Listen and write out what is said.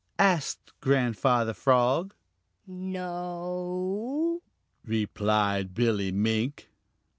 asked Grandfather Frog. "No o," replied Billy Mink.